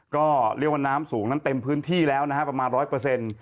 ก็เรียกว่าน้ำสูงนั้นเต็มพื้นที่แล้วนะฮะประมาณร้อยเปอร์เซ็นต์